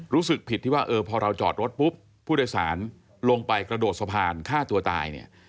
รู้สึกผิดที่ว่าเออพอเราจอดรถปุ๊บผู้โดยสารลงไปกระโดดสะพานฆ่าตัวตายเนี่ย